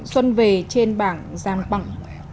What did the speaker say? xuân về trên bảng giang bằng